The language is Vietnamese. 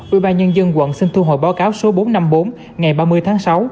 ủy ban nhân dân quận xin thu hồi báo cáo số bốn trăm năm mươi bốn ngày ba mươi tháng sáu